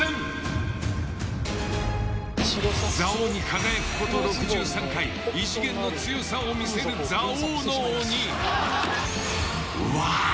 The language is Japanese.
座王に輝くこと６３回異次元の強さを見せる「座王」の鬼。